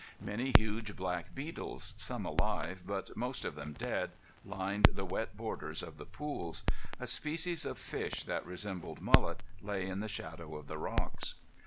Many huge black beetles, some alive, but most of them dead, lined the wet borders of the pools. A species of fish that resembled mullet lay in the shadow of the rocks.